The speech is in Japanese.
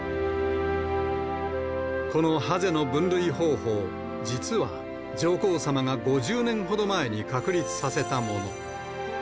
このハゼの分類方法、実は、上皇さまが５０年ほど前に確立させたもの。